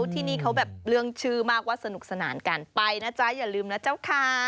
ที่นี่เขาแบบเรื่องชื่อมากว่าสนุกสนานกันไปนะจ๊ะอย่าลืมนะเจ้าค่ะ